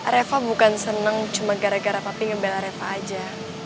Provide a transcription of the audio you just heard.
reva bukan seneng cuma gara gara pak pi ngebela reva aja